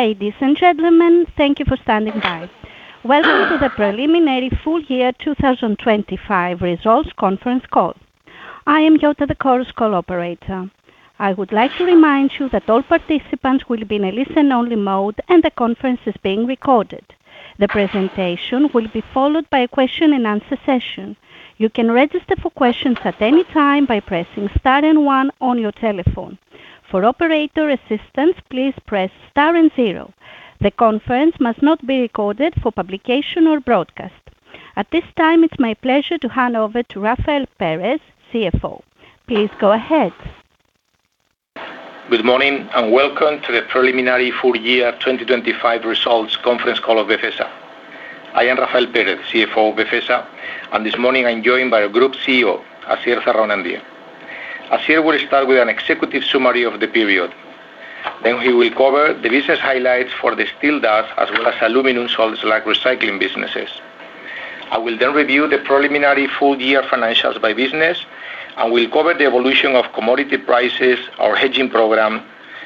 Ladies and gentlemen, thank you for standing by. Welcome to the preliminary full year 2025 results conference call. I am Josa, the conference call operator. I would like to remind you that all participants will be in a listen-only mode, and the conference is being recorded. The presentation will be followed by a question-and-answer session. You can register for questions at any time by pressing star and one on your telephone. For operator assistance, please press star and zero. The conference must not be recorded for publication or broadcast. At this time, it's my pleasure to hand over to Rafael Pérez, CFO. Please go ahead. Good morning, welcome to the preliminary full year 2025 results conference call of Befesa. I am Rafael Pérez, CFO of Befesa, and this morning I'm joined by our Group CEO, Asier Zarraonandia. Asier will start with an executive summary of the period. He will cover the business highlights for the steel dust as well as aluminum salt slag recycling businesses. I will then review the preliminary full year financials by business, and we'll cover the evolution of commodity prices, our hedging program,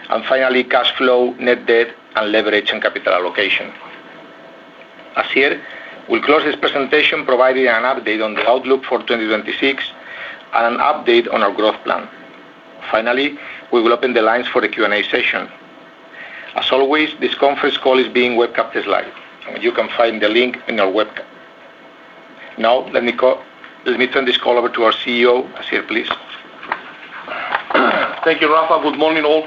and finally, cash flow, net debt, and leverage and capital allocation. Asier will close this presentation, providing an update on the outlook for 2026 and an update on our growth plan. We will open the lines for the Q&A session. As always, this conference call is being webcasted live, and you can find the link in our webcam. Let me turn this call over to our CEO, Asier, please. Thank you, Rafael. Good morning, all.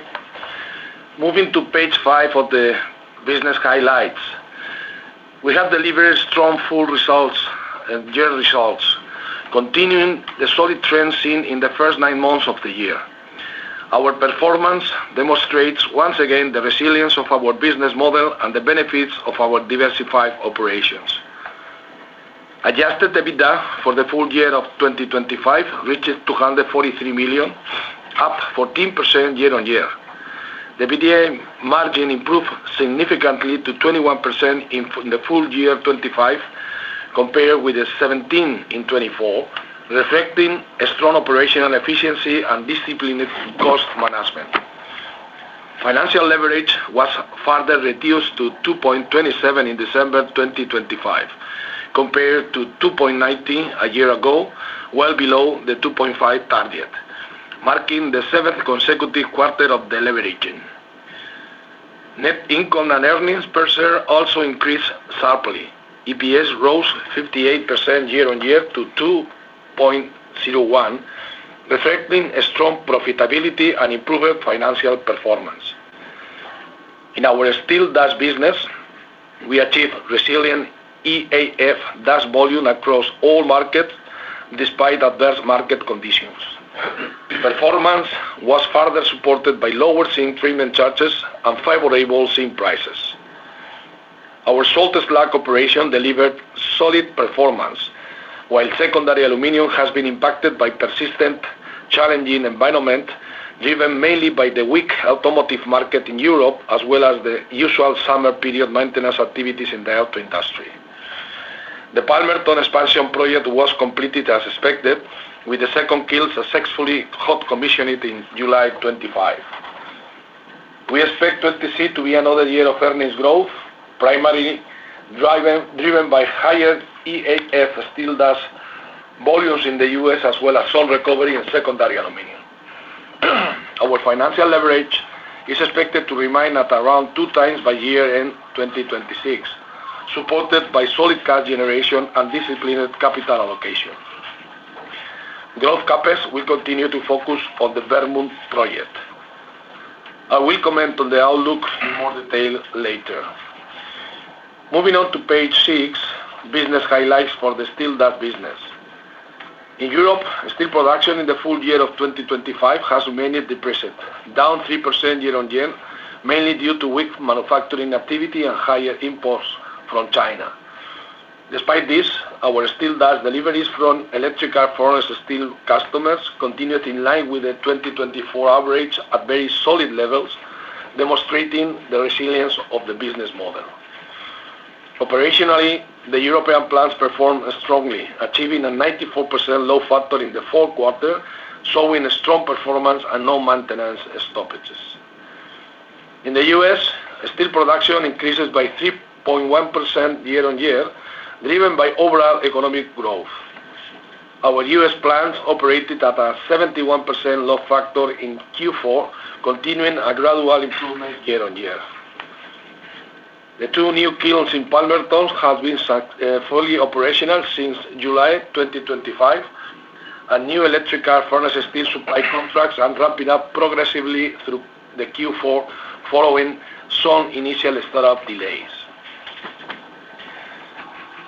Moving to page 5 of the business highlights. We have delivered strong, full results and year results, continuing the solid trend seen in the first nine months of the year. Our performance demonstrates once again the resilience of our business model and the benefits of our diversified operations. Adjusted EBITDA for the full year of 2025 reached 243 million, up 14% year-on-year. The EBITDA margin improved significantly to 21% in the full year of 2025, compared with the 17% in 2024, reflecting a strong operational efficiency and disciplined cost management. Financial leverage was further reduced to 2.27 in December 2025, compared to 2.19 a year ago, well below the 2.5 target, marking the seventh consecutive quarter of deleveraging. Net income and earnings per share also increased sharply. EPS rose 58% year-over-year to 2.01, reflecting a strong profitability and improved financial performance. In our steel dust business, we achieved resilient EAF dust volume across all markets, despite adverse market conditions. Performance was further supported by lower zinc treatment charges and favorable zinc prices. Our salt slag operation delivered solid performance, while secondary aluminum has been impacted by persistent, challenging environment, driven mainly by the weak automotive market in Europe, as well as the usual summer period maintenance activities in the auto industry. The Palmerton expansion project was completed as expected, with the second kilns successfully hot commissioned in July 25. We expect 2026 to be another year of earnings growth, primarily driven by higher EAF steel dust volumes in the US, as well as strong recovery and secondary aluminum. Our financial leverage is expected to remain at around 2 times by year-end 2026, supported by solid cash generation and disciplined capital allocation. Growth CapEx will continue to focus on the Bernburg project. I will comment on the outlook in more detail later. Moving on to page 6, business highlights for the steel dust business. In Europe, steel production in the full year of 2025 has remained depressed, down 3% year-over-year, mainly due to weak manufacturing activity and higher imports from China. Despite this, our steel dust deliveries from electrical furnace steel customers continued in line with the 2024 average at very solid levels, demonstrating the resilience of the business model. Operationally, the European plants performed strongly, achieving a 94% load factor in the fourth quarter, showing a strong performance and no maintenance stoppages. In the U.S., steel production increased by 3.1% year-over-year, driven by overall economic growth. Our U.S. plants operated at a 71% load factor in Q4, continuing a gradual improvement year-over-year. The two new kilns in Palmerton have been fully operational since July 2025, and new electric arc furnace steel supply contracts are ramping up progressively through the Q4, following some initial startup delays.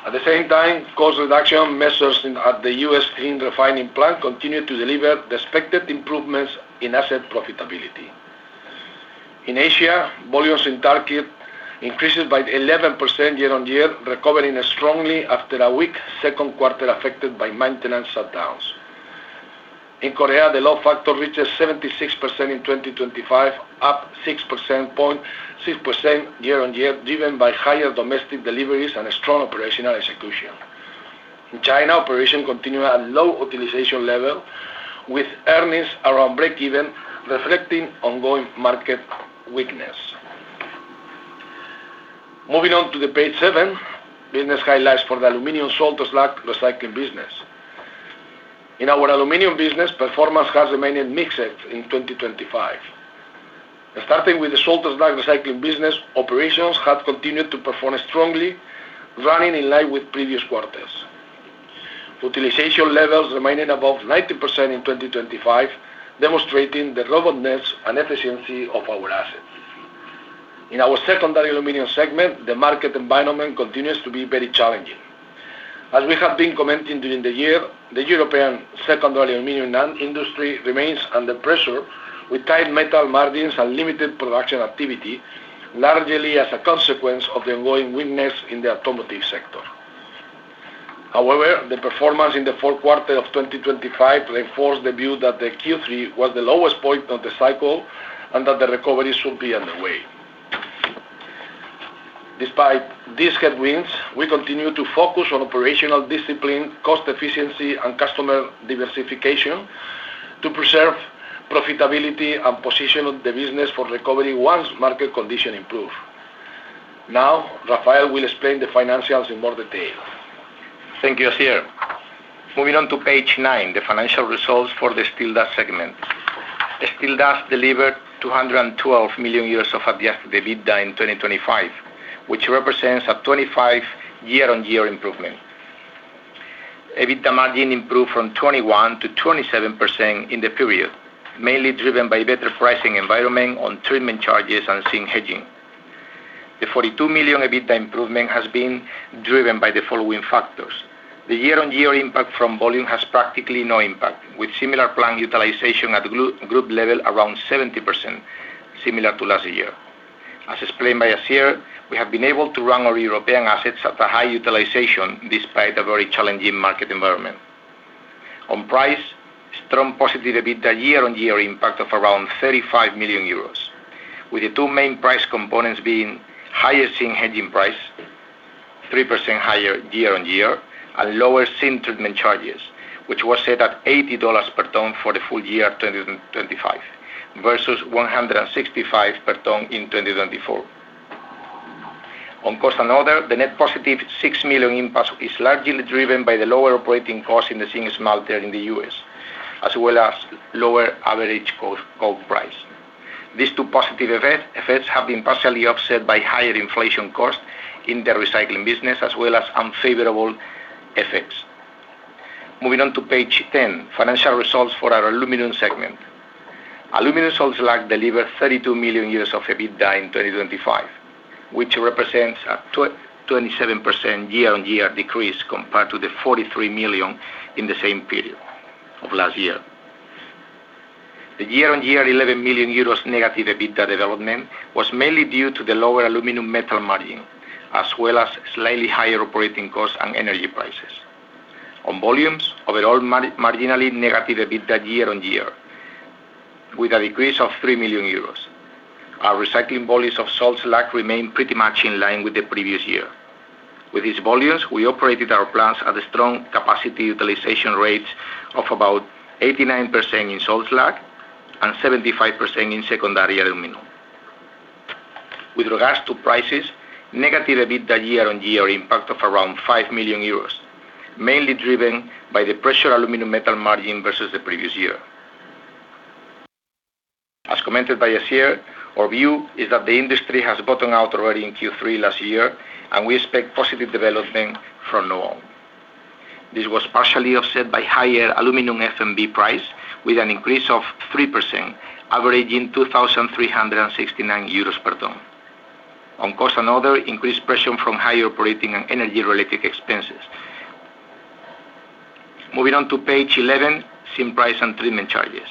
At the same time, cost reduction measures at the U.S. clean refining plant continued to deliver the expected improvements in asset profitability. In Asia, volumes in Turkey increases by 11% year-over-year, recovering strongly after a weak second quarter, affected by maintenance shutdowns. In Korea, the load factor reaches 76% in 2025, up 6% year-over-year, driven by higher domestic deliveries and a strong operational execution. China operation continue at low utilization level, with earnings around breakeven, reflecting ongoing market weakness. Moving on to the page 7, business highlights for the aluminum salt slag recycling business. In our aluminum business, performance has remained mixed in 2025. Starting with the salt slag recycling business, operations have continued to perform strongly, running in line with previous quarters. Utilization levels remaining above 90% in 2025, demonstrating the robustness and efficiency of our assets. In our secondary aluminum segment, the market environment continues to be very challenging. As we have been commenting during the year, the European secondary aluminum and industry remains under pressure, with tight metal margins and limited production activity, largely as a consequence of the ongoing weakness in the automotive sector. However, the performance in the fourth quarter of 2025 reinforce the view that the Q3 was the lowest point of the cycle and that the recovery should be underway. Despite these headwinds, we continue to focus on operational discipline, cost efficiency, and customer diversification to preserve profitability and position the business for recovery once market conditions improve. Now, Rafael will explain the financials in more detail. Thank you, Asier. Moving on to page 9, the financial results for the Steel Dust segment. Steel Dust delivered 212 million euros of adjusted EBITDA in 2025, which represents a 25% year-on-year improvement. EBITDA margin improved from 21% to 27% in the period, mainly driven by better pricing environment on treatment charges and zinc hedging. The 42 million EBITDA improvement has been driven by the following factors: The year-on-year impact from volume has practically no impact, with similar plant utilization at group level around 70%, similar to last year. As explained by Asier, we have been able to run our European assets at a high utilization, despite a very challenging market environment. On price, strong positive EBITDA year-on-year impact of around 35 million euros, with the two main price components being higher zinc hedging price, 3% higher year-on-year, and lower zinc treatment charges, which was set at $80 per ton for the full year 2025, versus $165 per ton in 2024. On cost and other, the net positive 6 million impact is largely driven by the lower operating costs in the zinc smelter in the US, as well as lower average cost of price. These two positive effects have been partially offset by higher inflation costs in the recycling business, as well as unfavorable effects. Moving on to page 10, financial results for our aluminum segment. Aluminum salt slag delivered 32 million euros of EBITDA in 2025, which represents a 27% year-on-year decrease compared to 43 million in the same period of last year. The year-on-year 11 million euros negative EBITDA development was mainly due to the lower aluminum metal margin, as well as slightly higher operating costs and energy prices. On volumes, overall marginally negative EBITDA year-on-year, with a decrease of 3 million euros. Our recycling volumes of salt slag remain pretty much in line with the previous year. With these volumes, we operated our plants at a strong capacity utilization rate of about 89% in salt slag and 75% in secondary aluminum. With regards to prices, negative EBITDA year-on-year impact of around 5 million euros, mainly driven by the pressure aluminum metal margin versus the previous year. As commented by Asier Zarraonandia, our view is that the industry has bottomed out already in Q3 last year, and we expect positive development from now on. This was partially offset by higher aluminum FMB price, with an increase of 3%, averaging 2,369 euros per ton. On cost and other, increased pressure from higher operating and energy-related expenses. Moving on to page 11, zinc price and treatment charges.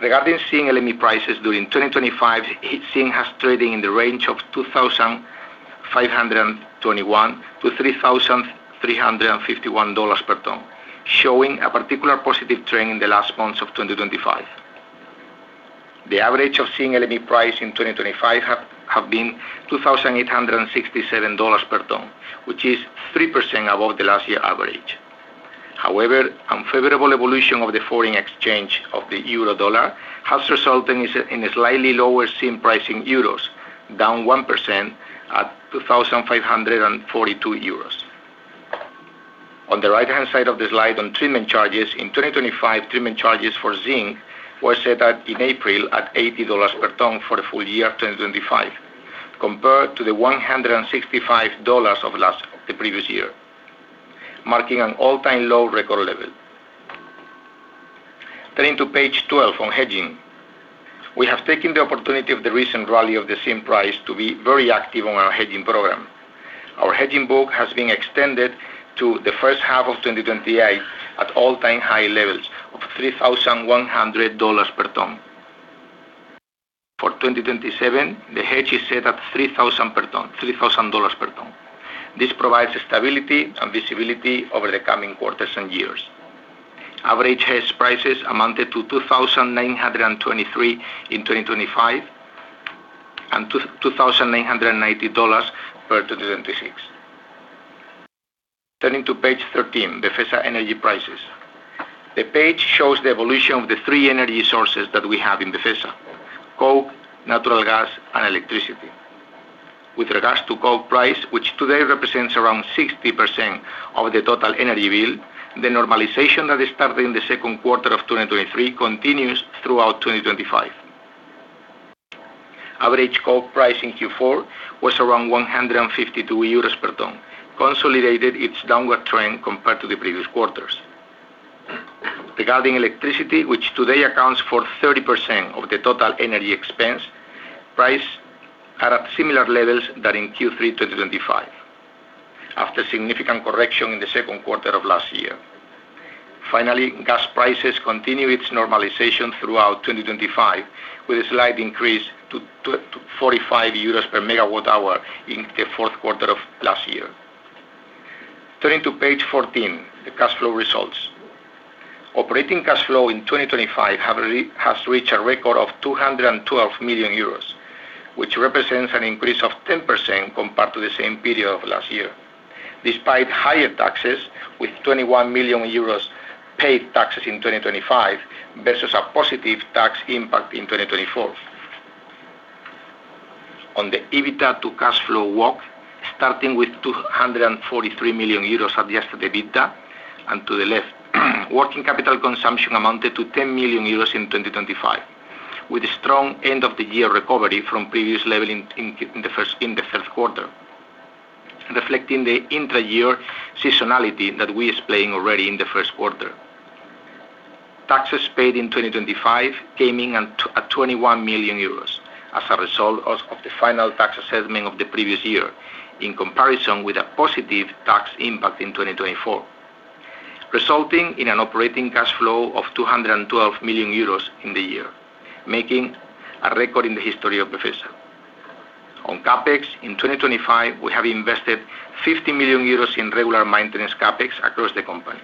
Regarding zinc LME prices during 2025, zinc has trading in the range of $2,521-$3,351 per ton, showing a particular positive trend in the last months of 2025. The average of zinc LME price in 2025 have been $2,867 per ton, which is 3% above the last year average. However, unfavorable evolution of the foreign exchange of the euro dollar has resulted in a slightly lower zinc price in euros, down 1% at 2,542 euros. On the right-hand side of the slide on treatment charges, in 2025, treatment charges for zinc were set in April at $80 per ton for the full year 2025, compared to the $165 of the previous year, marking an all-time low record level. Turning to page 12 on hedging. We have taken the opportunity of the recent rally of the zinc price to be very active on our hedging program. Our hedging book has been extended to the first half of 2028 at all-time high levels of $3,100 per ton. For 2027, the hedge is set at $3,000 per ton. This provides stability and visibility over the coming quarters and years. Average hedge prices amounted to $2,923 in 2025 and $2,990 for 2026. Turning to page 13, the Befesa energy prices. The page shows the evolution of the three energy sources that we have in Befesa: coal, natural gas, and electricity. With regards to coal price, which today represents around 60% of the total energy bill, the normalization that started in the second quarter of 2023 continues throughout 2025. Average coal price in Q4 was around 152 euros per ton, consolidated its downward trend compared to the previous quarters. Regarding electricity, which today accounts for 30% of the total energy expense, price are at similar levels that in Q3 2025, after significant correction in the second quarter of last year. Gas prices continue its normalization throughout 2025, with a slight increase to 45 euros per megawatt hour in the fourth quarter of last year. Turning to page 14, the cash flow results. Operating cash flow in 2025 has reached a record of 212 million euros, which represents an increase of 10% compared to the same period of last year, despite higher taxes, with 21 million euros paid taxes in 2025 versus a positive tax impact in 2024. The EBITDA to cash flow walk, starting with 243 million euros adjusted EBITDA, and to the left, working capital consumption amounted to 10 million euros in 2025, with a strong end-of-the-year recovery from previous level in the first quarter, reflecting the intra-year seasonality that we explained already in the first quarter. Taxes paid in 2025 came in at 21 million euros as a result of the final tax assessment of the previous year, in comparison with a positive tax impact in 2024, resulting in an operating cash flow of 212 million euros in the year, making a record in the history of Befesa. CapEx, in 2025, we have invested 50 million euros in regular maintenance CapEx across the company.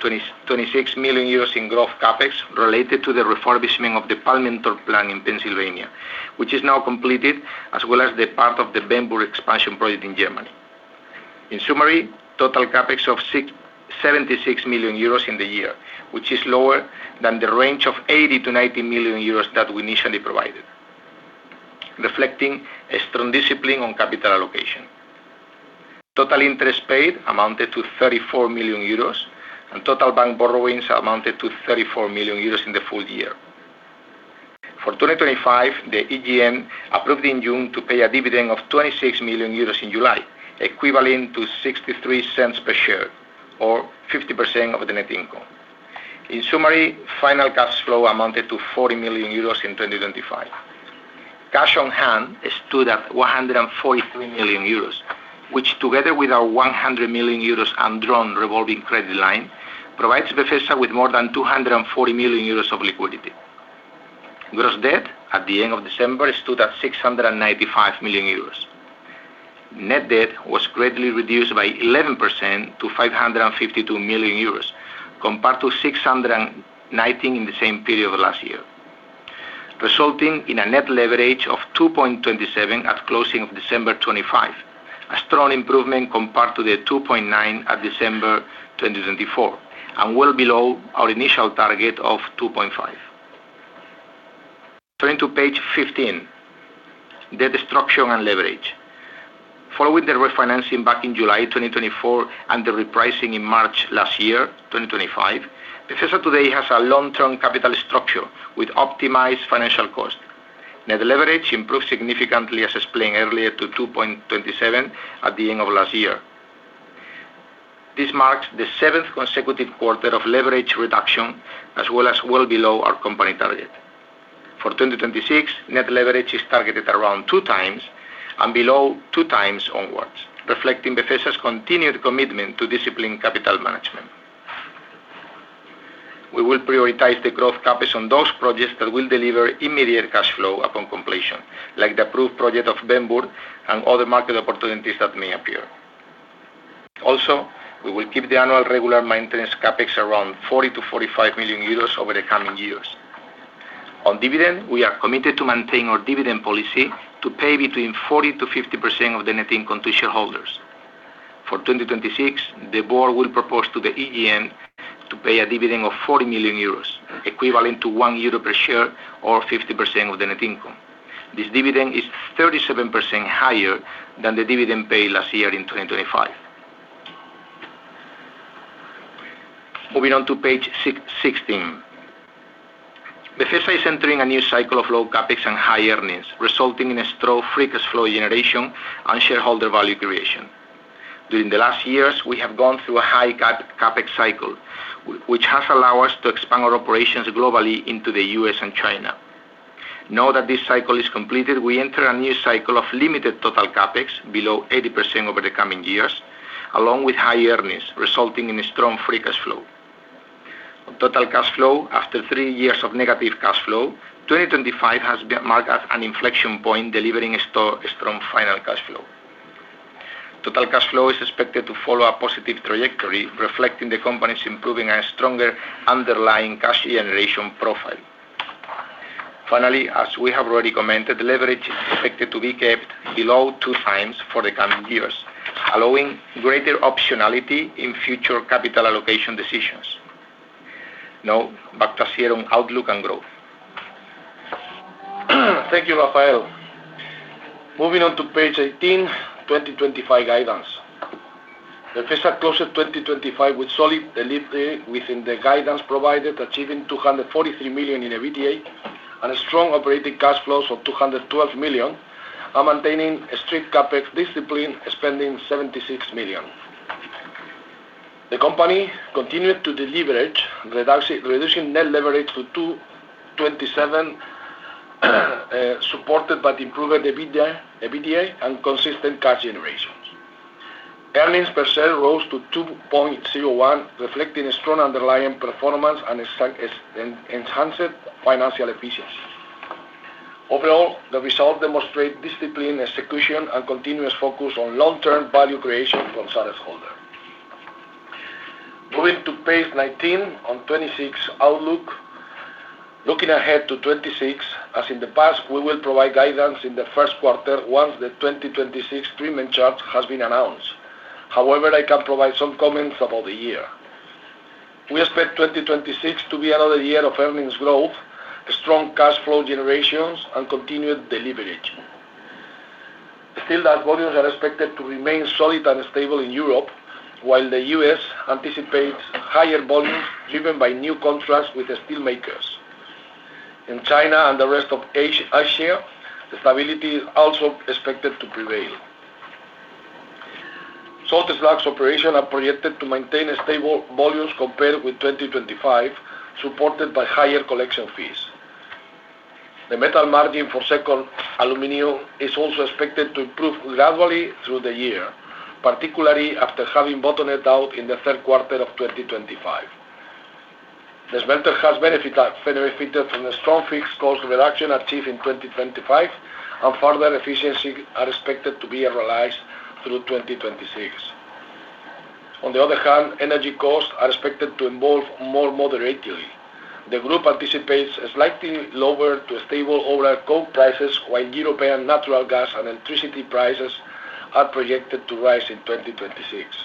26 million euros in growth CapEx related to the refurbishment of the Palmerton plant in Pennsylvania, which is now completed, as well as the part of the Bernburg expansion project in Germany. In summary, total CapEx of 76 million euros in the year, which is lower than the range of 80 million-90 million euros that we initially provided, reflecting a strong discipline on capital allocation. Total interest paid amounted to 34 million euros, and total bank borrowings amounted to 34 million euros in the full year. For 2025, the AGM approved in June to pay a dividend of 26 million euros in July, equivalent to 0.63 per share or 50% of the net income. In summary, final cash flow amounted to 40 million euros in 2025. Cash on hand stood at 143 million euros, which, together with our 100 million euros undrawn revolving credit line, provides Befesa with more than 240 million euros of liquidity. Gross debt at the end of December stood at 695 million euros. Net debt was greatly reduced by 11% to 552 million euros, compared to 619 million in the same period of last year, resulting in a net leverage of 2.27 at closing of December 2025, a strong improvement compared to the 2.9 at December 2024, and well below our initial target of 2.5. Turning to page 15, the debt structure and leverage. Following the refinancing back in July 2024 and the repricing in March 2025, Befesa today has a long-term capital structure with optimized financial cost. Net leverage improved significantly, as explained earlier, to 2.27 at the end of last year. This marks the seventh consecutive quarter of leverage reduction, as well as below our company target. For 2026, net leverage is targeted around 2 times and below 2 times onwards, reflecting Befesa's continued commitment to disciplined capital management. We will prioritize the growth CapEx on those projects that will deliver immediate cash flow upon completion, like the approved project of Bernburg and other market opportunities that may appear. We will keep the annual regular maintenance CapEx around 40 million-45 million euros over the coming years. On dividend, we are committed to maintain our dividend policy to pay between 40%-50% of the net income to shareholders. For 2026, the board will propose to the AGM to pay a dividend of 40 million euros, equivalent to 1 euro per share or 50% of the net income. This dividend is 37% higher than the dividend paid last year in 2025. Moving on to page 16. Befesa is entering a new cycle of low CapEx and high earnings, resulting in a strong free cash flow generation and shareholder value creation. During the last years, we have gone through a high CapEx cycle, which has allowed us to expand our operations globally into the U.S. and China. Now that this cycle is completed, we enter a new cycle of limited total CapEx, below 80% over the coming years, along with high earnings, resulting in a strong free cash flow. On total cash flow, after 3 years of negative cash flow, 2025 has been marked as an inflection point, delivering a strong final cash flow. Total cash flow is expected to follow a positive trajectory, reflecting the company's improving and stronger underlying cash generation profile. Finally, as we have already commented, leverage is expected to be kept below 2 times for the coming years, allowing greater optionality in future capital allocation decisions. Back to Asier on outlook and growth. Thank you, Rafael. Moving on to page 18, 2025 guidance. Befesa closed 2025 with solid delivery within the guidance provided, achieving 243 million in EBITDA, and strong operating cash flows of 212 million, and maintaining a strict CapEx discipline, spending 76 million. The company continued to deleverage, reducing net leverage to 2.27, supported by the improved EBITDA and consistent cash generations. Earnings per share rose to 2.01, reflecting a strong underlying performance and enhanced financial efficiency. Overall, the result demonstrate discipline, execution, and continuous focus on long-term value creation for shareholders. Moving to page 19, on 2026 outlook. Looking ahead to 2026, as in the past, we will provide guidance in the first quarter once the 2026 treatment charge has been announced. I can provide some comments about the year. We expect 2026 to be another year of earnings growth, a strong cash flow generations, and continued deleverage. Steel dust volumes are expected to remain solid and stable in Europe, while the U.S. anticipates higher volumes, driven by new contracts with the steelmakers. In China and the rest of Asia, the stability is also expected to prevail. Salt slags operation are projected to maintain a stable volumes compared with 2025, supported by higher collection fees. The metal margin for secondary aluminum is also expected to improve gradually through the year, particularly after having bottomed it out in the third quarter of 2025. The smelter has benefited from the strong fixed cost reduction achieved in 2025, and further efficiency are expected to be realized through 2026. On the other hand, energy costs are expected to evolve more moderately. The group anticipates a slightly lower to stable overall coal prices, while European natural gas and electricity prices are projected to rise in 2026.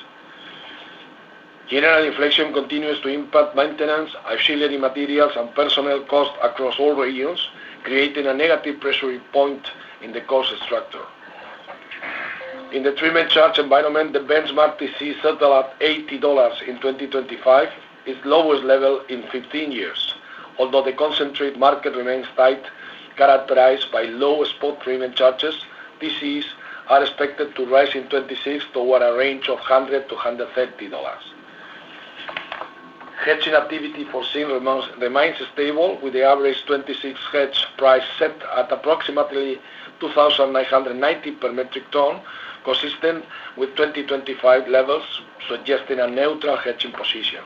General inflation continues to impact maintenance, auxiliary materials, and personnel costs across all regions, creating a negative pressure point in the cost structure. In the treatment charge environment, the benchmark TC settled at $80 in 2025, its lowest level in 15 years. Although the concentrate market remains tight, characterized by low spot treatment charges, TCs are expected to rise in 2026 toward a range of $100-$130. Hedging activity for silver remains stable, with the average 2026 hedge price set at approximately $2,990 per metric ton, consistent with 2025 levels, suggesting a neutral hedging position.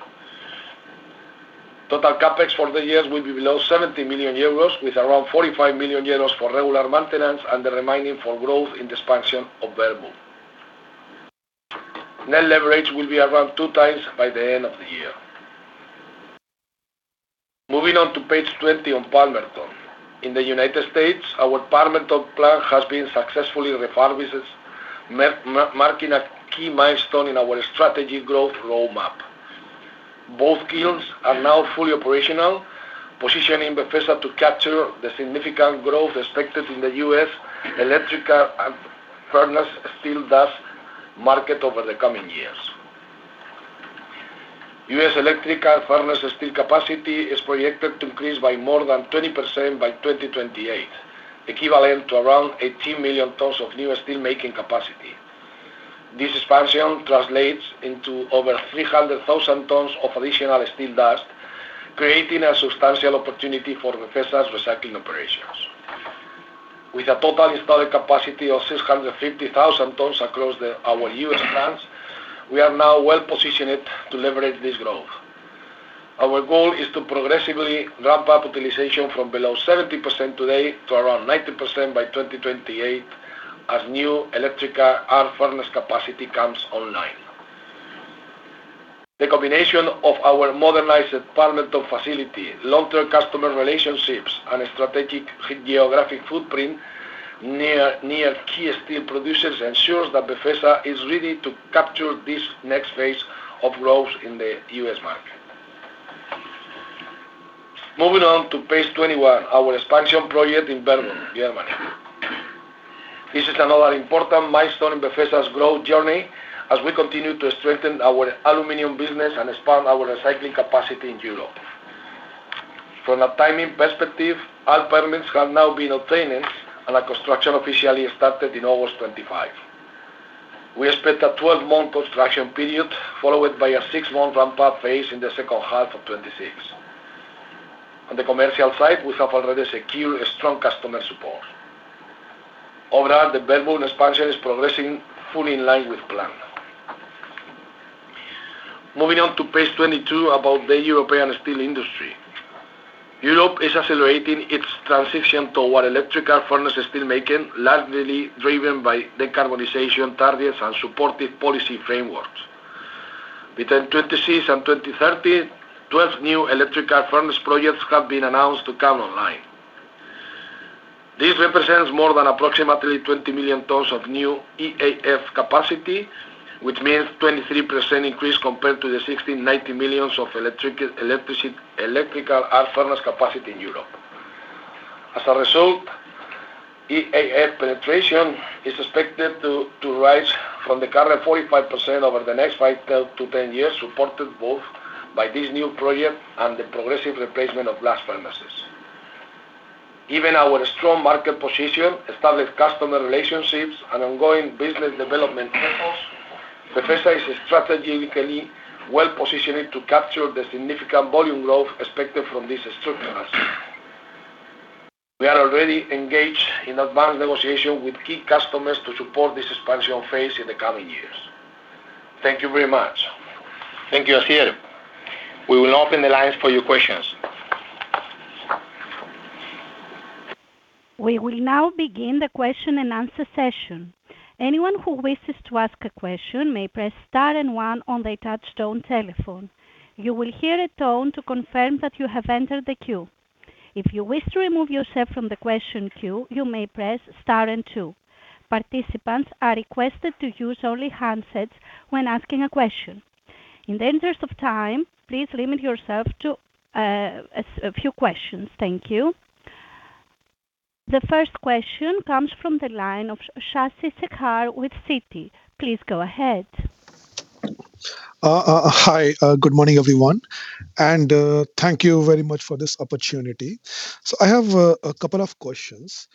Total CapEx for the years will be below 70 million euros, with around 45 million euros for regular maintenance and the remaining for growth in expansion of Bernburg. Net leverage will be around 2 times by the end of the year. Moving on to page 20 on Palmerton. In the United States, our Palmerton plant has been successfully refurbished, marking a key milestone in our strategy growth roadmap. Both kilns are now fully operational, positioning Befesa to capture the significant growth expected in the US electric arc furnace steel dust market over the coming years. US electric arc furnace steel capacity is projected to increase by more than 20% by 2028, equivalent to around 18 million tons of new steel making capacity. This expansion translates into over 300,000 tons of additional steel dust, creating a substantial opportunity for Befesa's recycling operations. With a total installed capacity of 650,000 tons across our U.S. plants, we are now well-positioned to leverage this growth. Our goal is to progressively ramp up utilization from below 70% today to around 90% by 2028, as new electric arc furnace capacity comes online. The combination of our modernized Palmerton facility, long-term customer relationships, and a strategic geographic footprint near key steel producers ensures that Befesa is ready to capture this next phase of growth in the U.S. market. Moving on to page 21, our expansion project in Bernburg, Germany. This is another important milestone in Befesa's growth journey as we continue to strengthen our aluminum business and expand our recycling capacity in Europe. From a timing perspective, all permits have now been obtained. Our construction officially started in August 2025. We expect a 12-month construction period, followed by a 6-month ramp-up phase in the second half of 2026. On the commercial side, we have already secured a strong customer support. Overall, the Bernburg expansion is progressing fully in line with plan. Moving on to page 22, about the European steel industry. Europe is accelerating its transition toward electrical furnace steelmaking, largely driven by decarbonization targets and supportive policy frameworks. Between 2026 and 2030, 12 new electric arc furnace projects have been announced to come online. This represents more than approximately 20 million tons of new EAF capacity, which means 23% increase compared to the 16.9 million of electric arc furnace capacity in Europe. As a result, EAF penetration is expected to rise from the current 45% over the next 5 to 10 years, supported both by this new project and the progressive replacement of blast furnaces. Given our strong market position, established customer relationships, and ongoing business development efforts, Befesa is strategically well-positioned to capture the significant volume growth expected from these structures. We are already engaged in advanced negotiations with key customers to support this expansion phase in the coming years. Thank you very much. Thank you, Asier. We will open the lines for your questions. We will now begin the question and answer session. Anyone who wishes to ask a question may press star and one on their touchtone telephone. You will hear a tone to confirm that you have entered the queue. If you wish to remove yourself from the question queue, you may press star and 2. Participants are requested to use only handsets when asking a question. In the interest of time, please limit yourself to a few questions. Thank you. The first question comes from the line of Shashi Shekhar with Citi. Please go ahead. Hi. Good morning, everyone, and thank you very much for this opportunity. I have a couple of questions.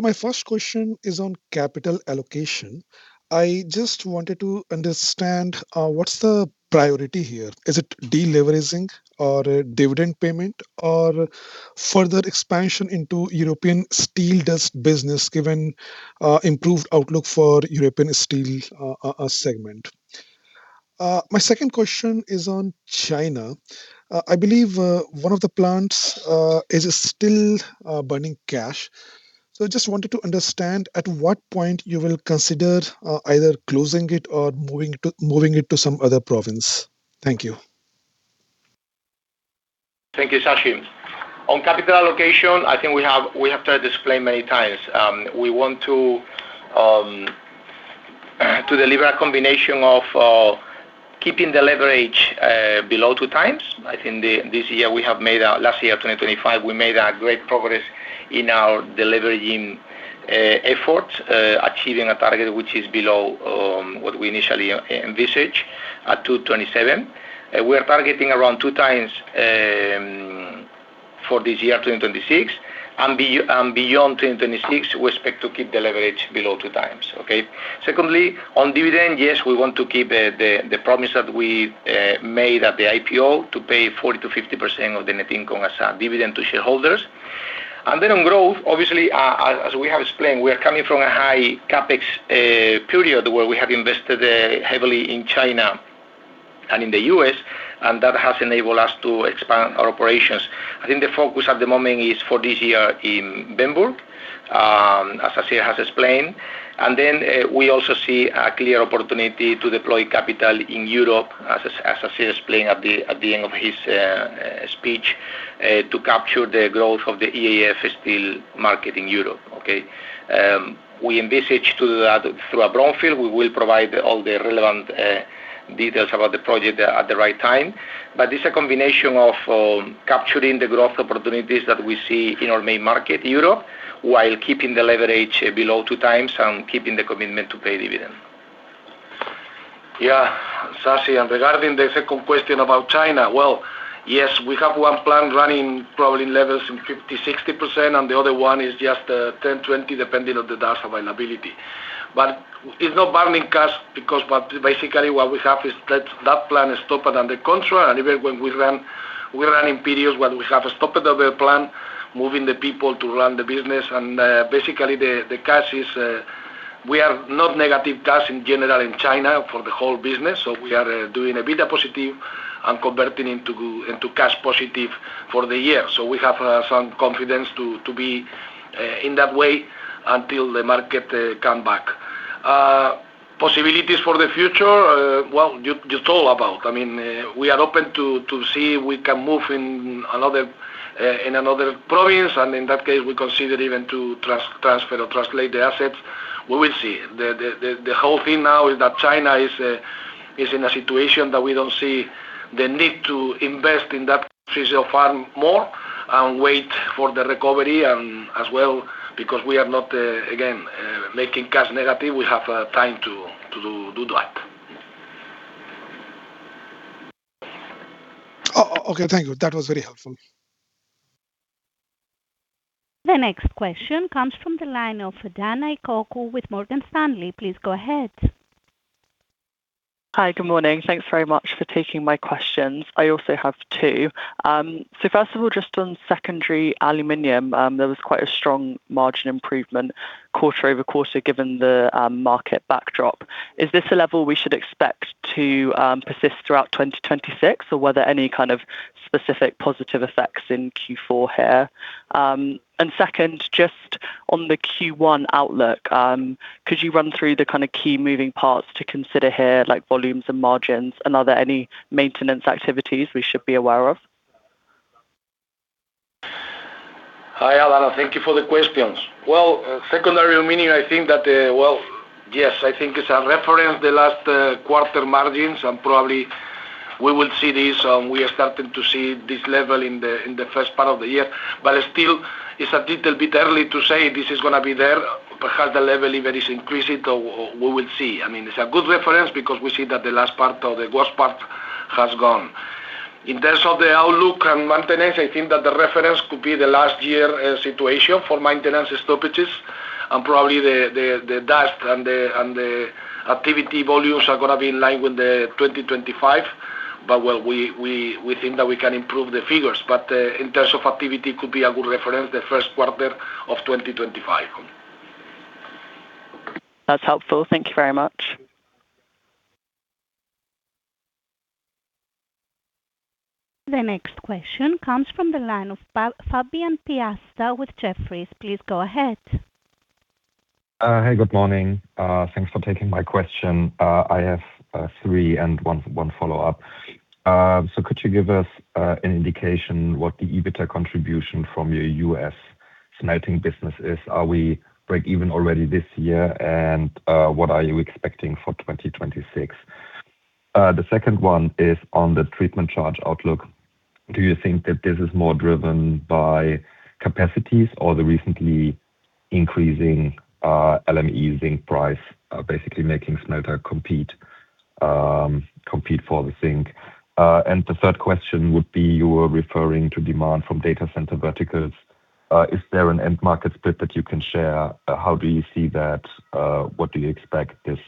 My first question is on capital allocation. I just wanted to understand what's the priority here? Is it deleveraging or a dividend payment or further expansion into European steel dust business, given improved outlook for European steel segment? My second question is on China. I believe one of the plants is still burning cash. I just wanted to understand at what point you will consider either closing it or moving it to some other province. Thank you. Thank you, Shashi. On capital allocation, we have tried to explain many times. We want to deliver a combination of keeping the leverage below 2x. Last year, 2025, we made great progress in our deleveraging effort, achieving a target which is below what we initially envisaged, at 2.27. We are targeting around 2x for this year, 2026, and beyond 2026, we expect to keep the leverage below 2x. Okay? Secondly, on dividend, yes, we want to keep the promise that we made at the IPO to pay 40% to 50% of the net income as a dividend to shareholders. On growth, obviously, as we have explained, we are coming from a high CapEx period, where we have invested heavily in China and in the US, and that has enabled us to expand our operations. I think the focus at the moment is for this year in Bernburg, as Asier has explained, we also see a clear opportunity to deploy capital in Europe, as Asier explained at the end of his speech, to capture the growth of the EAF steel market in Europe, okay? We envisage to do that through a brownfield. We will provide all the relevant details about the project at the right time. It's a combination of capturing the growth opportunities that we see in our main market, Europe, while keeping the leverage below 2 times and keeping the commitment to pay dividend. Yeah, Shashi, well, yes, we have one plant running, probably levels in 50%, 60%, and the other one is just 10%, 20%, depending on the dust availability. It's not burning cash because basically what we have is let that plant is stopped under control, even when we run, we run in periods when we have stopped the plant, moving the people to run the business. Basically, the cash is we are not negative cash in general in China for the whole business, we are doing a bit positive and converting into cash positive for the year. We have some confidence to be in that way until the market come back. Possibilities for the future, well, you told about. I mean, we are open to see if we can move in another in another province, and in that case, we consider even to transfer or translate the assets. We will see. The whole thing now is that China is in a situation that we don't see the need to invest in that facility farm more and wait for the recovery, and as well, because we are not again making cash negative, we have time to do that. Oh, okay. Thank you. That was very helpful. The next question comes from the line of Adahna Ekoku with Morgan Stanley. Please go ahead. Hi, good morning. Thanks very much for taking my questions. I also have two. First of all, just on secondary aluminum, there was quite a strong margin improvement quarter-over-quarter, given the market backdrop. Is this a level we should expect to persist throughout 2026, or were there any kind of specific positive effects in Q4 here? Second, just on the Q1 outlook, could you run through the kind of key moving parts to consider here, like volumes and margins? Are there any maintenance activities we should be aware of? Hi, Adahna. Thank you for the questions. Well, secondary aluminum, I think that, well, yes, I think it's a reference, the last quarter margins, and probably we will see this, we are starting to see this level in the first part of the year. Still, it's a little bit early to say this is gonna be there. Has the level, if it is increasing, so we will see. I mean, it's a good reference because we see that the last part or the worst part has gone. In terms of the outlook and maintenance, I think that the reference could be the last year situation for maintenance stoppages, and probably the dust and the activity volumes are gonna be in line with 2025. Well, we think that we can improve the figures, but in terms of activity could be a good reference, the first quarter of 2025. That's helpful. Thank you very much. The next question comes from the line of Fabian Piasta with Jefferies. Please go ahead. Hey, good morning. Thanks for taking my question. I have three and one follow-up. Could you give us an indication what the EBITDA contribution from your U.S. smelting business is? Are we break even already this year, and what are you expecting for 2026? The second one is on the treatment charge outlook. Do you think that this is more driven by capacities or the recently increasing LME zinc price, basically making smelter compete for the zinc? The third question would be, you were referring to demand from data center verticals. Is there an end market split that you can share? How do you see that? What do you expect this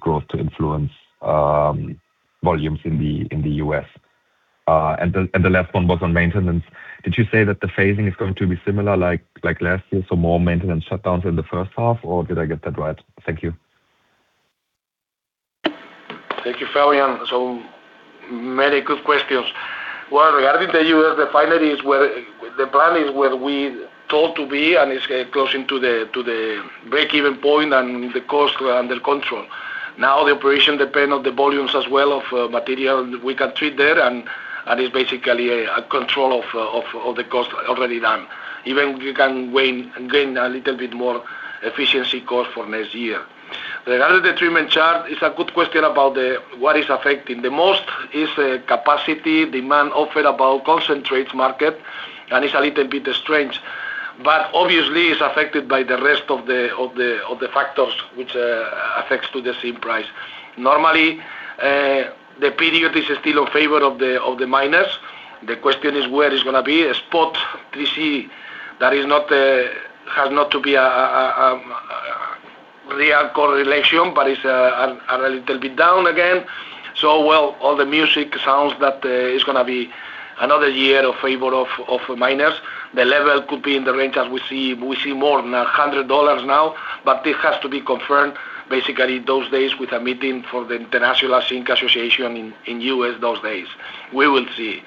growth to influence volumes in the U.S.? The last one was on maintenance. Did you say that the phasing is going to be similar like last year, so more maintenance shutdowns in the first half, or did I get that right? Thank you. Thank you, Fabian. Many good questions. Well, regarding the U.S. refineries, well, the plan is where we thought to be, and it's closing to the breakeven point and the costs are under control. Now, the operation depend on the volumes as well of material we can treat there, and it's basically a control of the cost already done. Even we can gain a little bit more efficiency cost for next year. Regarding the treatment charges, it's a good question about the what is affecting. The most is capacity, demand offered about concentrates market, and it's a little bit strange, but obviously it's affected by the rest of the factors which affects to the same price. Normally, the period is still in favor of the miners. The question is where it's gonna be. A spot we see that is not, has not to be a real correlation, but is a little bit down again. Well, all the music sounds that it's gonna be another year of favor of miners. The level could be in the range as we see more than $100 now, but this has to be confirmed. Basically, those days with a meeting for the International Zinc Association in U.S. those days. We will see.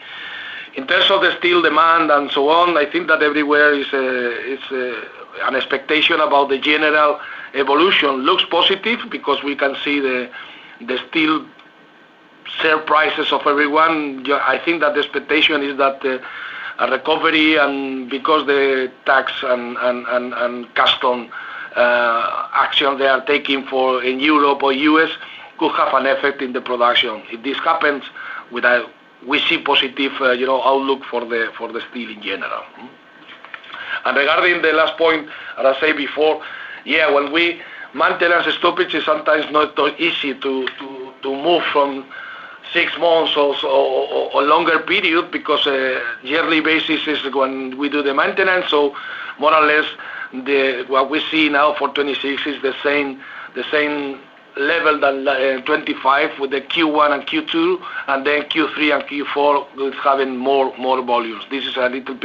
In terms of the steel demand and so on, I think that everywhere is an expectation about the general evolution. Looks positive because we can see the steel sale prices of everyone. Yeah, I think that the expectation is that a recovery and because the tax and custom action they are taking for in Europe or U.S. could have an effect in the production. If this happens, we see positive, you know, outlook for the steel in general. Regarding the last point, as I said before, yeah, Maintenance stoppage is sometimes not easy to move from six months or so, or longer period because yearly basis is when we do the maintenance. More or less, what we see now for 2026 is the same level than 2025, with the Q1 and Q2, and then Q3 and Q4, we're having more volumes. This is a little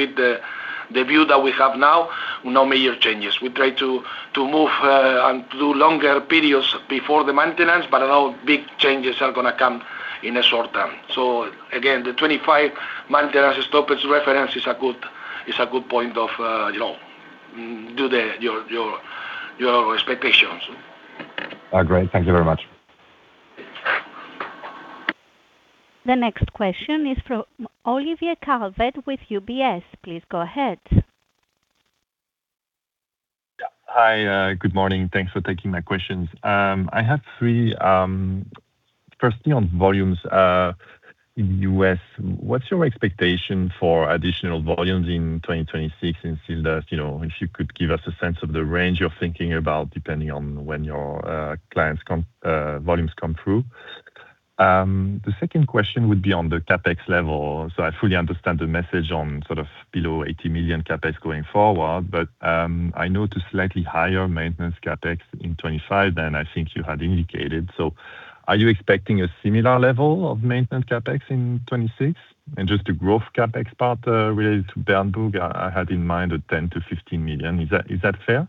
bit the view that we have now, no major changes. We try to move, and do longer periods before the maintenance, but no big changes are gonna come in a short term. Again, the 2025 maintenance stoppage reference is a good point of, you know, do the your expectations. Great. Thank you very much. The next question is from Olivier Calvet with UBS. Please go ahead. Yeah. Hi, good morning. Thanks for taking my questions. I have three. Firstly, on volumes, in U.S., what's your expectation for additional volumes in 2026? You know, if you could give us a sense of the range you're thinking about, depending on when your clients come, volumes come through. The second question would be on the CapEx level. I fully understand the message on sort of below 80 million CapEx going forward, but I know it's a slightly higher maintenance CapEx in 2025 than I think you had indicated. Are you expecting a similar level of maintenance CapEx in 2026? Just the growth CapEx part related to Bernburg, I had in mind 10 million-15 million. Is that fair?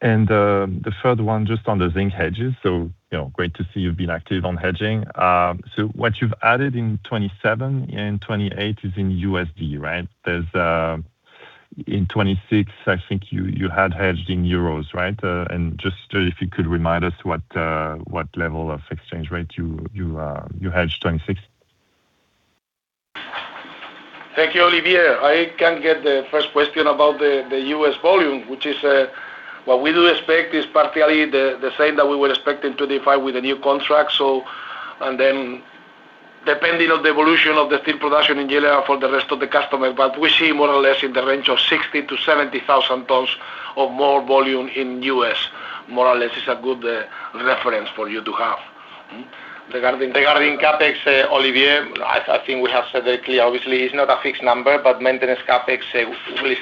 The third one, just on the zinc hedges, great to see you've been active on hedging. What you've added in 2027 and 2028 is in USD, right? There's, in 2026, I think you had hedged in EUR, right? Just if you could remind us what level of exchange rate you hedged 2026? Thank you, Olivier. I can get the first question about the U.S. volume, which is what we do expect is partially the same that we were expecting 2025 with the new contract. Depending on the evolution of the steel production in general for the rest of the customer, but we see more or less in the range of 60,000-70,000 tons of more volume in U.S. More or less, it's a good reference for you to have. Regarding CapEx, Olivier, I think we have said that clear. Obviously, it's not a fixed number, but maintenance CapEx will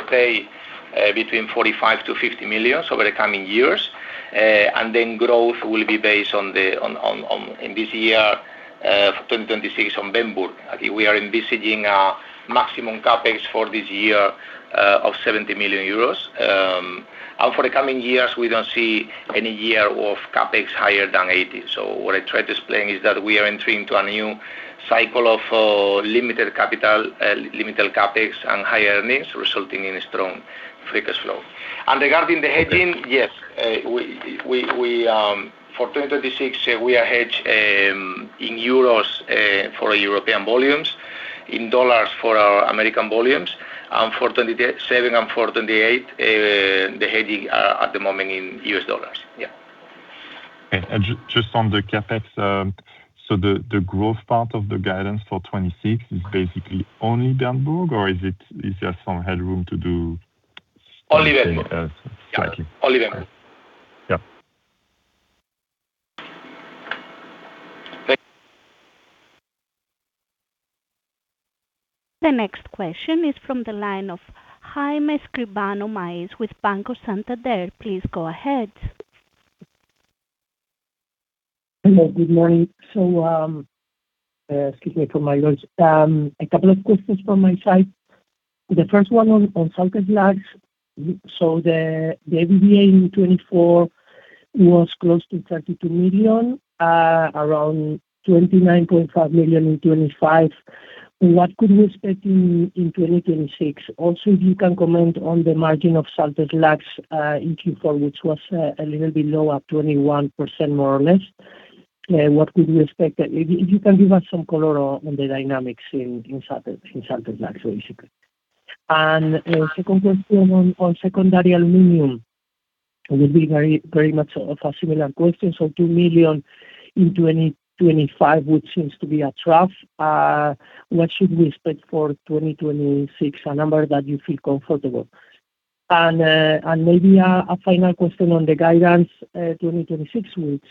stay between 45 million-50 million over the coming years. Growth will be based on in this year 2026 on Bernburg. I think we are envisaging a maximum CapEx for this year of 70 million euros. For the coming years, we don't see any year of CapEx higher than 80 million. What I try to explain is that we are entering to a new cycle of limited capital, limited CapEx and higher earnings, resulting in a strong free cash flow. Regarding the hedging, yes, we for 2026, we are hedged in euros for our European volumes, in dollars for our American volumes. For 2027 and for 2028, the hedging are at the moment in USD. Yeah. Okay. Just on the CapEx, the growth part of the guidance for 26 is basically only Bernburg, or is it, is there some headroom to do-? Only Bernburg. Got you. Only Bernburg. Yeah. The next question is from the line of Jaime Escribano with Banco Santander. Please go ahead. Hello, good morning. Excuse me for my voice. A couple of questions from my side. The first one on salt slags. The EBITDA in 2024 was close to 32 million, around 29.5 million in 2025. What could we expect in 2026? Also, if you can comment on the margin of salt slags in Q4, which was a little bit lower, up to only 1%, more or less. What could we expect? If you can give us some color on the dynamics in salt slags, basically. Second question on secondary aluminum. It will be very much of a similar question. 2 million in 2025, which seems to be a trough. What should we expect for 2026, a number that you feel comfortable? Maybe a final question on the guidance, 2026, which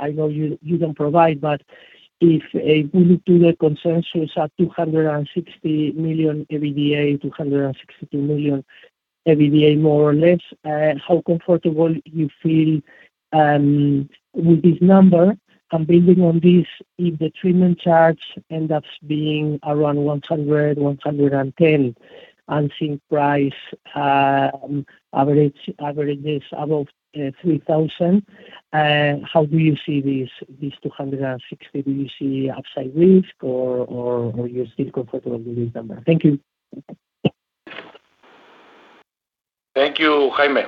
I know you don't provide, but if we look to the consensus at 260 million EBITDA, 262 million EBITDA, more or less, how comfortable you feel with this number? Building on this, if the treatment charge ends up being around 100 million-110 million, and seeing price average is above 3,000, how do you see this 260 million? Do you see upside risk or you still comfortable with this number? Thank you. Thank you, Jaime.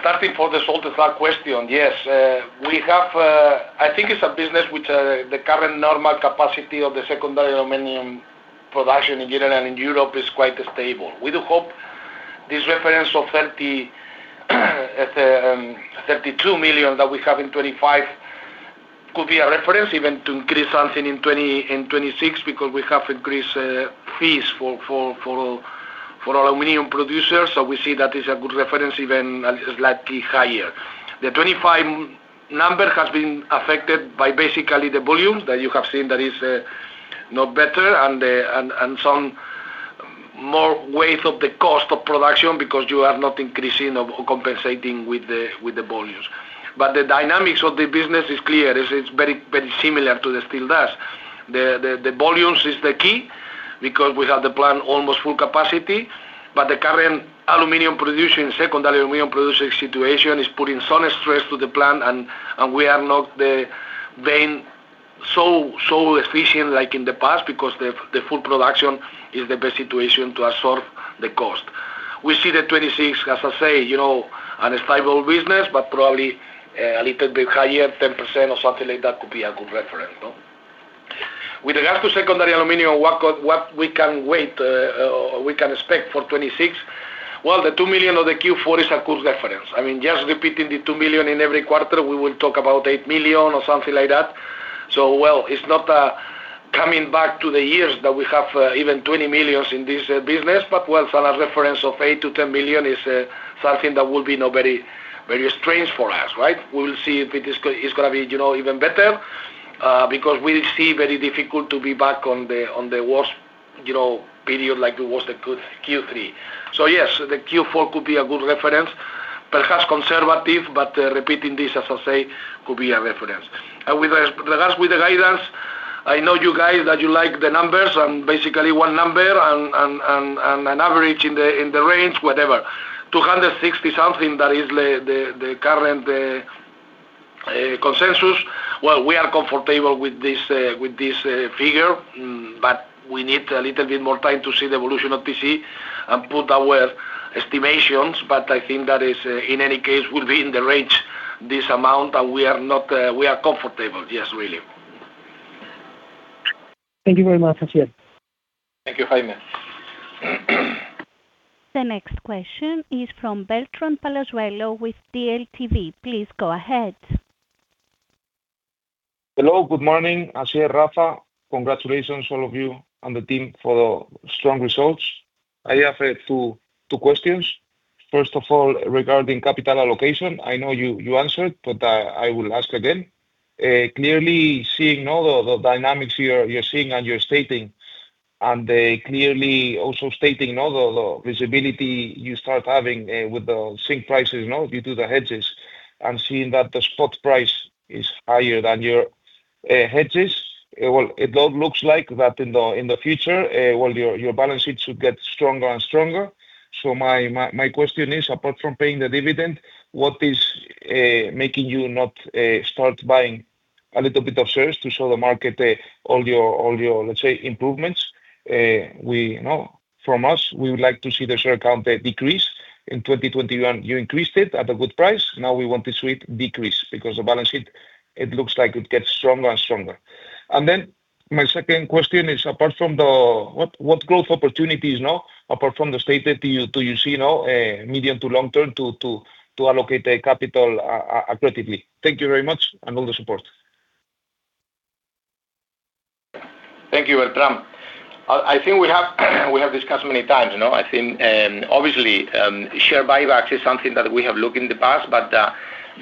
Starting for the salt slag question, yes, we have. I think it's a business which the current normal capacity of the secondary aluminum production in general and in Europe is quite stable. We do hope this reference of 32 million that we have in 2025 could be a reference even to increase something in 2026 because we have increased fees for aluminum producers. We see that is a good reference, even slightly higher. The 2025 number has been affected by basically the volumes that you have seen that is not better, and some more ways of the cost of production because you are not increasing or compensating with the volumes. The dynamics of the business is clear. It's very similar to the steel dust. The volumes is the key because we have the plant almost full capacity, but the current aluminum producer and secondary aluminum producer situation is putting some stress to the plant, and we are not being so efficient like in the past because the full production is the best situation to absorb the cost. We see 2026, as I say, you know, an stable business, but probably a little bit higher, 10% or something like that could be a good reference, no? With regards to secondary aluminum, what we can wait, we can expect for 2026? Well, the 2 million of the Q4 is a good reference. I mean, just repeating the 2 million in every quarter, we will talk about 8 million or something like that. Well, it's not coming back to the years that we have even 20 million in this business, well, some reference of 8 million-10 million is something that will be not very, very strange for us, right? We will see if it's going to be, you know, even better, because we see very difficult to be back on the, on the worst, you know, period like it was the good Q3. Yes, the Q4 could be a good reference. Perhaps conservative, but repeating this, as I say, could be a reference. With regards, with the guidance. I know you guys that you like the numbers, and basically one number and an average in the, in the range, whatever. 260 million something, that is the current consensus. We are comfortable with this figure, but we need a little bit more time to see the evolution of TC and put our estimations. I think that is. In any case, we'll be in the range, this amount, and we are not, we are comfortable. Yes, really. Thank you very much, Asier. Thank you, Jaime. The next question is from Beltrán Palazuelo with DLTV. Please go ahead. Hello, good morning, Asier, Rafa. Congratulations, all of you and the team for the strong results. I have two questions. First of all, regarding capital allocation. I know you answered, but I will ask again. Clearly, seeing all the dynamics you're seeing and you're stating, and clearly also stating all the visibility you start having with the zinc prices, you know, due to the hedges, and seeing that the spot price is higher than your hedges, it looks like that in the future, well, your balance sheet should get stronger and stronger. My question is, apart from paying the dividend, what is making you not start buying a little bit of shares to show the market all your, let's say, improvements? We... You know, from us, we would like to see the share count decrease. In 2021, you increased it at a good price. Now, we want to see it decrease because the balance sheet, it looks like it gets stronger and stronger. My second question is, What growth opportunities apart from the stated, do you see now, medium to long term to allocate the capital appropriately? Thank you very much, and all the support. Thank you, Beltrán. I think we have discussed many times, you know. I think obviously share buyback is something that we have looked in the past, but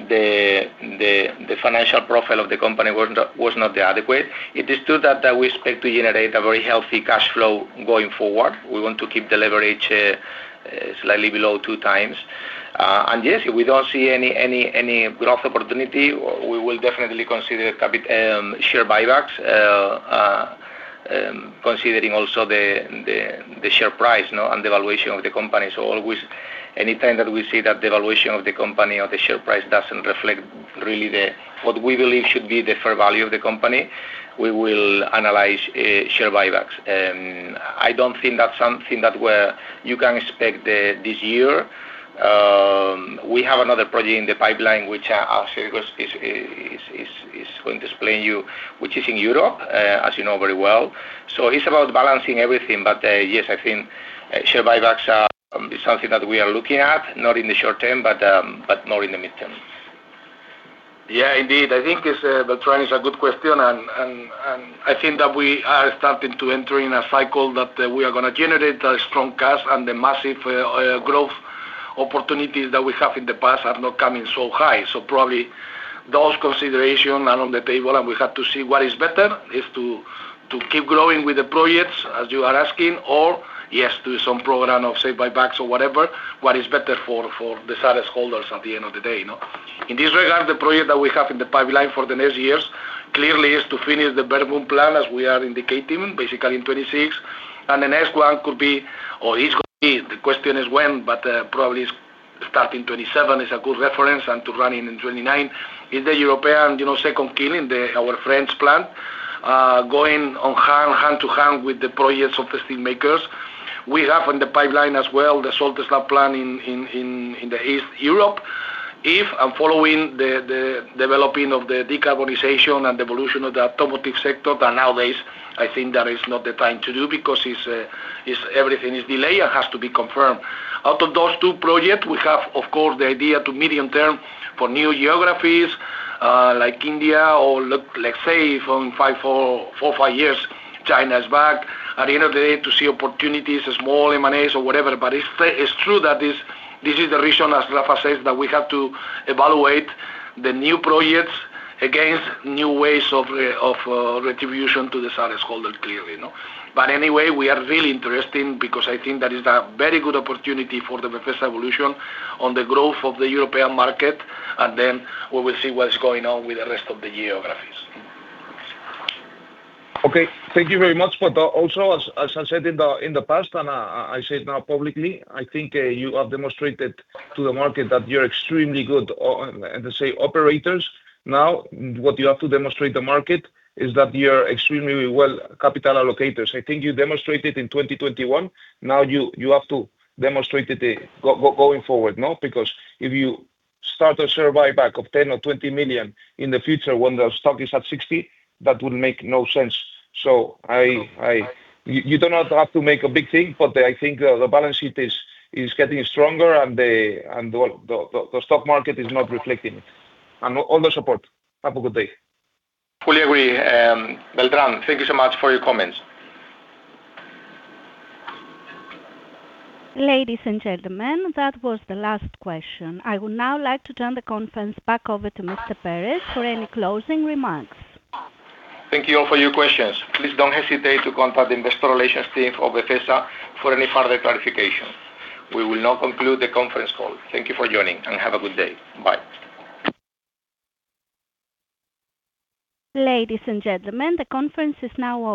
the financial profile of the company was not the adequate. It is true that we expect to generate a very healthy cash flow going forward. We want to keep the leverage slightly below 2 times. Yes, if we don't see any growth opportunity, we will definitely consider share buybacks. Considering also the share price, you know, and the valuation of the company. Always, anytime that we see that the valuation of the company or the share price doesn't reflect really the what we believe should be the fair value of the company, we will analyze share buybacks. I don't think that's something that you can expect this year. We have another project in the pipeline, which Asier is going to explain you, which is in Europe, as you know very well. It's about balancing everything, but yes, I think share buybacks are something that we are looking at, not in the short term but more in the midterm. Yeah, indeed. I think it's Beltrán, it's a good question, and I think that we are gonna generate a strong cash, and the massive growth opportunities that we have in the past are not coming so high. Probably those consideration are on the table, and we have to see what is better, is to keep growing with the projects, as you are asking, or yes, do some program of, say, buybacks or whatever. What is better for the shareholders at the end of the day, you know? In this regard, the project that we have in the pipeline for the next years clearly is to finish the Bernburg plan, as we are indicating, basically in 2026. The next one could be, or is gonna be, the question is when, but probably starting 2027 is a good reference, and to running in 2029. In the European, you know, second kiln in our French plant, going on hand to hand with the projects of the steel makers. We have on the pipeline as well, the salt slag plant in the East Europe. If I'm following the developing of the decarbonization and the evolution of the automotive sector, nowadays, I think that is not the time to do because it's everything is delayed and has to be confirmed. Out of those two projects, we have, of course, the idea to medium-term for new geographies, like India or like, say, from five, four, five years, China is back. At the end of the day, to see opportunities, small M&As or whatever. It's true that this is the reason, as Rafa says, that we have to evaluate the new projects against new ways of retribution to the shareholders clearly, you know? Anyway, we are really interesting because I think that is a very good opportunity for the Befesa evolution on the growth of the European market, and then we will see what is going on with the rest of the geographies. Okay, thank you very much. Also, as I said in the, in the past, and I say it now publicly, I think, you have demonstrated to the market that you're extremely good, and to say, operators. What you have to demonstrate the market is that you're extremely well capital allocators. I think you demonstrated in 2021. You, you have to demonstrate it, going forward, no? Because if you start a share buyback of 10 million or 20 million in the future, when the stock is at 60, that would make no sense. You do not have to make a big thing, but I think the balance sheet is getting stronger, and the stock market is not reflecting it. All the support. Have a good day. Fully agree, Beltrán. Thank you so much for your comments. Ladies and gentlemen, that was the last question. I would now like to turn the conference back over to Mr. Pérez for any closing remarks. Thank you all for your questions. Please don't hesitate to contact the investor relations team of Befesa for any further clarification. We will now conclude the conference call. Thank you for joining, and have a good day. Bye. Ladies and gentlemen, the conference is now over.